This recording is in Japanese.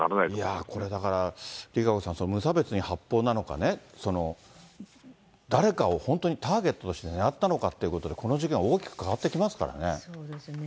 いやー、これだから、ＲＩＫＡＣＯさん、無差別に発砲なのかね、誰かを本当にターゲットとして狙ったのかっていうことで、この事そうですね。